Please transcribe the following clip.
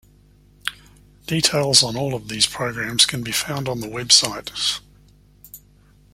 Details on all of these programs can be found on the website.